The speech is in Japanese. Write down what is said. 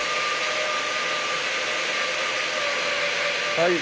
はい。